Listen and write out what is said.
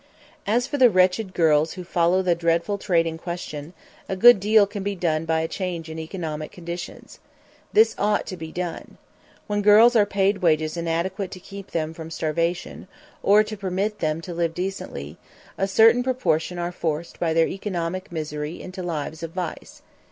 As for the wretched girls who follow the dreadful trade in question, a good deal can be done by a change in economic conditions. This ought to be done. When girls are paid wages inadequate to keep them from starvation, or to permit them to live decently, a certain proportion are forced by their economic misery into lives of vice.